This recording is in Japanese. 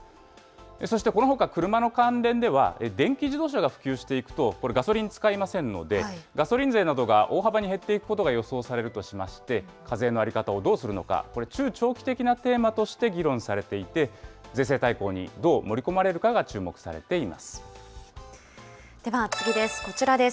そしてこのほか車の関連では、電気自動車が普及していくと、これ、ガソリン使いませんので、ガソリン税などが大幅に減っていくことが予想されるとしまして、課税の在り方をどうするのか、これ、中長期的なテーマとして議論されていて、税制大綱にどう盛り込まれでは次です。